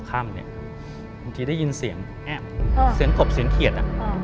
บางทีได้ยินเสียงแอ๊บเสียงกบเสียงเขียด